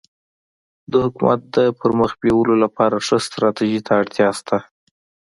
د حکومت د پرمخ بیولو لپاره ښه ستراتيژي ته اړتیا سته.